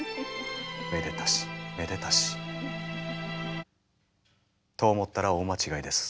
めでたしめでたし。と思ったら大間違いです。